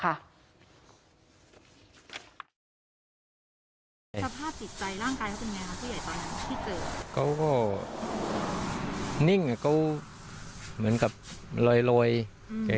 สภาพจิตใจร่างกายเขาเป็นอย่างไรครับผู้ใหญ่ตอนนั้นที่เจอ